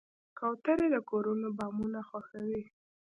کوترې د کورونو بامونه خوښوي.